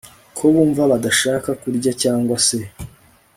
ko bumva badashaka kurya cyangwa se